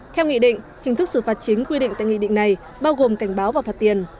theo nghị định hình thức xử phạt chính quy định tại nghị định này bao gồm cảnh báo và phạt tiền